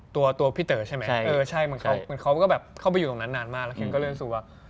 ตัวพี่เต๋อใช่ไหมเออใช่มันเข้าไปอยู่ตรงนั้นนานมากแล้วเค้าก็เรียนสู่ว่า